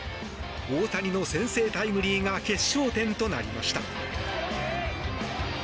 大谷の先制タイムリーが決勝点となりました。